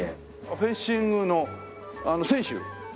フェンシングの選手？